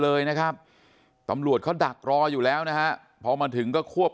เลยนะครับตำรวจเขาดักรออยู่แล้วนะฮะพอมาถึงก็ควบ